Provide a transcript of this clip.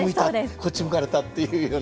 こっち向かれた」っていうような。